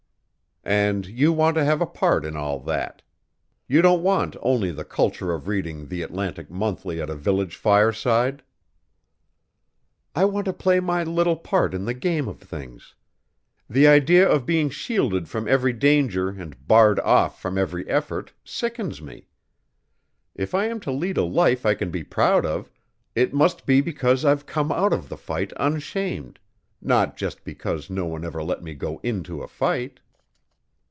"And you want to have a part in all that. You don't want only the culture of reading the Atlantic Monthly at a village fireside?" "I want to play my little part in the game of things. The idea of being shielded from every danger and barred off from every effort, sickens me. If I am to lead a life I can be proud of, it must be because I've come out of the fight unshamed, not just because no one ever let me go into a fight."